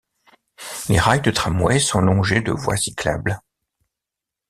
Les rails de tramway sont longés de voies cyclables.